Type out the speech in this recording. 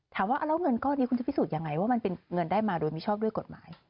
ถามว่าแล้วเงินก้อนนี้คุณจะพิสูจน์ยังไงว่ามันเป็นเงินได้มาโดยมิชอบด้วยกฎหมาย